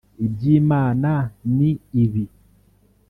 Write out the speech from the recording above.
iby’Imana ni ibi